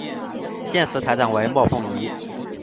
现时台长为莫凤仪。